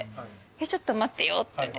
ちょっと待ってよって。